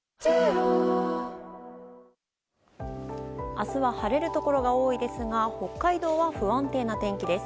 明日は晴れるところが多いですが北海道は不安定な天気です。